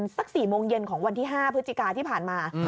สัก๔โมงเย็นของวันที่๕พฤศจิกาที่ผ่านมา